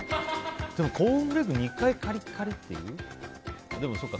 コーンフレーク２回、カリカリっていう？